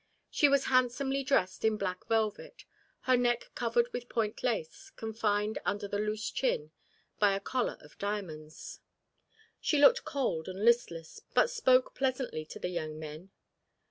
She was handsomely dressed in black velvet, her neck covered with point lace confined under the loose chin by a collar of diamonds. She looked cold and listless, but spoke pleasantly to the young men.